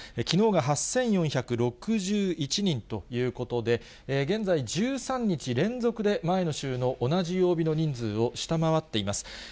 きのうが８４６１人ということで、現在、１３日連続で前の週の同じ曜日の人数を下回っています。